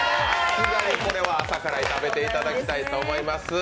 これは朝から食べていただきたいと思います。